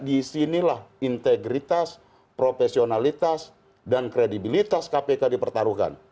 di sinilah integritas profesionalitas dan kredibilitas kpk dipertaruhkan